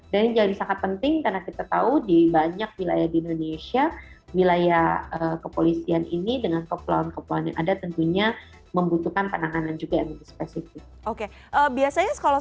dan ini jadi sangat penting karena kita tahu di banyak wilayah di indonesia wilayah kepolisian ini dengan kepulauan kepulauan yang ada tentunya membutuhkan penanganan juga yang lebih spesifik